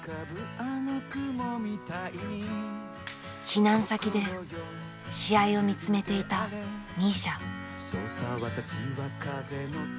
避難先で試合を見つめていたミーシャ。